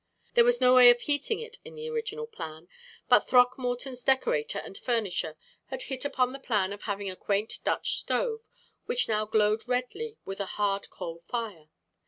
There was no way of heating it in the original plan, but Throckmorton's decorator and furnisher had hit upon the plan of having a quaint Dutch stove, which now glowed redly with a hard coal fire.